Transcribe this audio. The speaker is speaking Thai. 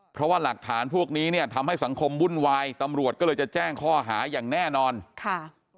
เพราะว่าหลักฐานพวกนี้เนี่ยทำให้สังคมวุ่นวายตำรวจก็เลยจะแจ้งข้อหาอย่างแน่นอนค่ะ